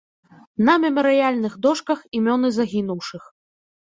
На мемарыяльных дошках імёны загінуўшых.